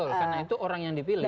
karena itu orang yang dipilih